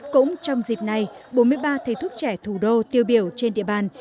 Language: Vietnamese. cũng trong dịp này bốn mươi ba thầy thuốc trẻ thủ đô tiêu biểu trên địa bàn